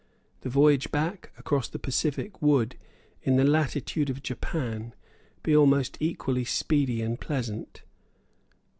The voyage back across the Pacific would, in the latitude of Japan, be almost equally speedy and pleasant.